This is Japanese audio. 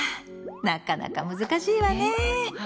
なかなか難しいわねぇ。